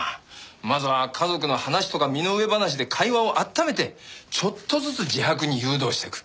まずは家族の話とか身の上話で会話をあっためてちょっとずつ自白に誘導していく。